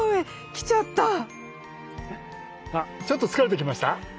ちょっと疲れてきました？